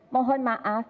mohon maaf itu tidak benar